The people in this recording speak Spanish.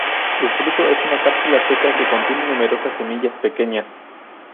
El fruto es una cápsula seca que contiene numerosas semillas pequeñas.